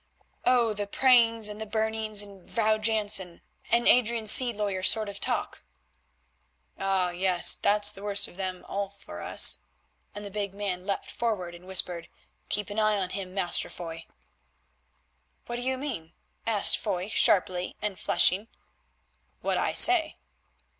"Oh! the prayings and the burnings and Vrouw Jansen, and Adrian's sea lawyer sort of talk." "Ah, yes, that's the worst of them all for us," and the big man leapt forward and whispered. "Keep an eye on him, Master Foy." "What do you mean?" asked Foy sharply and flushing. "What I say."